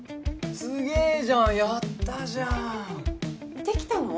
すげえじゃんやったじゃんできたの？